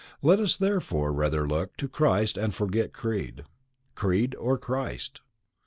Let us therefore rather look to Christ and forget Creed. _Creed or Christ?